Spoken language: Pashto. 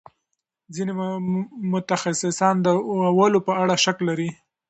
ځینې متخصصان د اولو په اړه شک لري.